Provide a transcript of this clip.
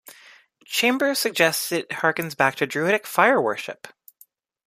Chambers suggests that it hearkens back to druidic fire-worship.